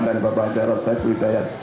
dan bapak darot zaid widaya